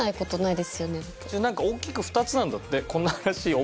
大きく２つなんだって。